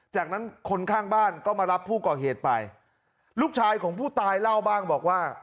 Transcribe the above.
จากนั้นคนข้างบ้านก็มารับผู้ก่อเหตุไปลูกชายของผู้ตายเล่าบ้างบอกว่า